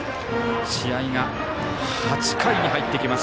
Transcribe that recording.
試合が８回に入っていきます